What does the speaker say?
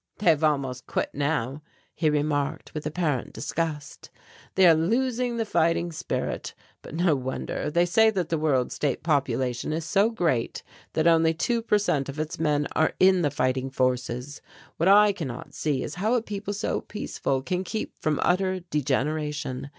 "They have almost quit now," he remarked with apparent disgust; "they are losing the fighting spirit but no wonder they say that the World State population is so great that only two per cent of its men are in the fighting forces. What I cannot see is how a people so peaceful can keep from utter degeneration.